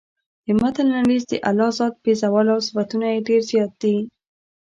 د متن لنډیز د الله ذات بې زواله او صفتونه یې ډېر زیات دي.